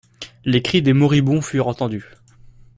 Les cris des moribonds furent entendus.